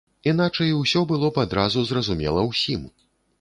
Іначай усё было б адразу зразумела ўсім.